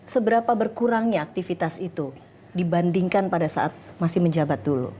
seberapa berkurangnya aktivitas itu dibandingkan pada saat masih menjabat dulu